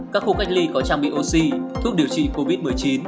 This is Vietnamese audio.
các khu cách ly có trang bị oxy thuốc điều trị covid một mươi chín